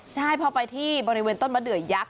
ใช่พอไปที่บริเวณต้นมะเดือยักษ